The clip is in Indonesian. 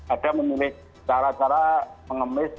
ada memilih cara cara mengemis